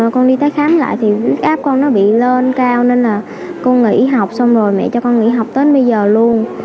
con đi tới khám lại thì áp con nó bị lên cao nên là con nghỉ y học xong rồi mẹ cho con nghỉ học tới bây giờ luôn